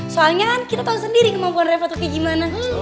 soalnya kan kita tau sendiri kemampuan reva itu kayak gimana